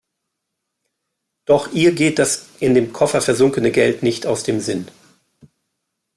Doch ihr geht das in dem Koffer versunkene Geld nicht aus dem Sinn.